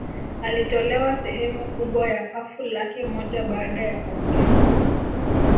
Alitolewa sehemu kubwa ya pafu lake moja baada ya kuambukizwa